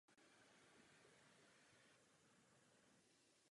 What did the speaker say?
Přímou přeměnou světla na elektrickou energii se dnes zabývá samostatná specializace.